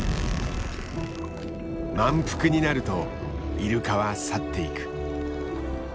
満腹になるとイルカは去っていく。